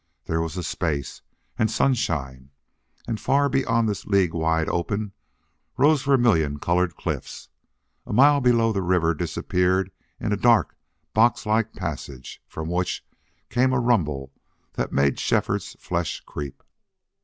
There was space and sunshine, and far beyond this league wide open rose vermilion colored cliffs. A mile below the river disappeared in a dark, boxlike passage from which came a rumble that made Shefford's flesh creep.